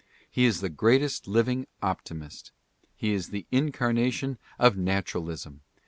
He is the greatest living optimist. He is the incarnation of naturalism.